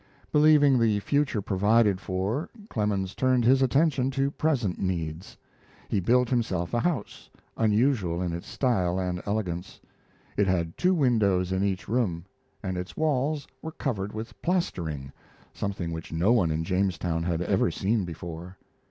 Believing the future provided for, Clemens turned his attention to present needs. He built himself a house, unusual in its style and elegance. It had two windows in each room, and its walls were covered with plastering, something which no one in Jamestown had ever seen before.